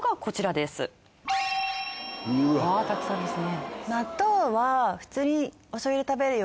まあたくさんですね。